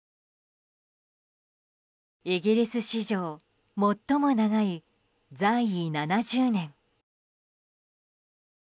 イギリス史上最も長い在位７０年。